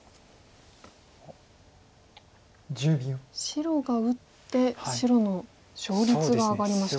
白が打って白の勝率が上がりました。